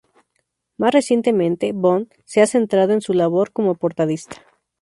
Más recientemente, Bond se ha centrado en su labor como portadista.